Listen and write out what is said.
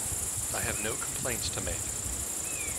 I have no complaints to make.